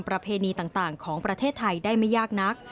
ประเพณีต่างของประเทศไทยได้ไม่ยากนัก